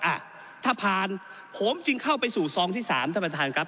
อ่ะถ้าผ่านผมจึงเข้าไปสู่ซองที่สามท่านประธานครับ